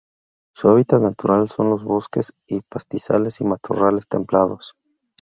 Su hábitat natural son los bosques y pastizales y matorrales templados.